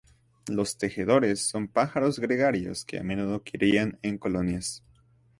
Los tejedores son pájaros gregarios que a menudo crían en colonias.